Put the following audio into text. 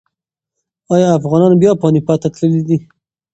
ایا افغانان بیا پاني پت ته تللي دي؟